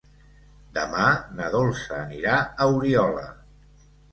Demà na Dolça anirà a Oriola.